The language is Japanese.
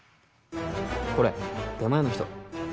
これ出前の人。